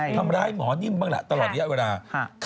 ทำร้ายหมอนิ่มบ้างล่ะเต็มทุกวัน